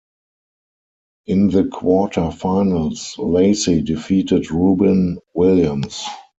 In the quarter-finals, Lacy defeated Rubin Williams.